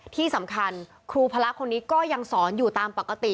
ที่สำคัญครูพระคนนี้ก็ยังสอนอยู่ตามปกติ